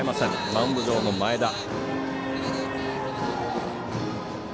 マウンド上の前田。